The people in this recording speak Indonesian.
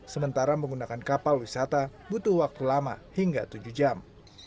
sementara menggunakan kapal wisata butuh waktu lama hingga tujuh jam